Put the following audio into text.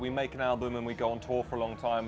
kita membuat album dan kita pergi ke tour selama lama